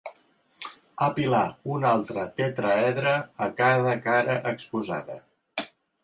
Apilar un altre tetraedre a cada cara exposada.